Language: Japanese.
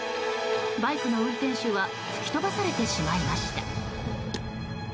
バイクの運転手は吹き飛ばされてしまいました。